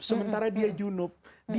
sementara dia junub